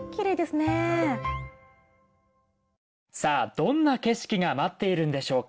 どんな景色が待っているんでしょうか？